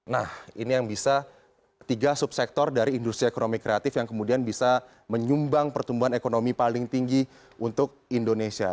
nah ini yang bisa tiga subsektor dari industri ekonomi kreatif yang kemudian bisa menyumbang pertumbuhan ekonomi paling tinggi untuk indonesia